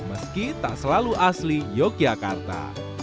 meski tak selalu asli yogyakarta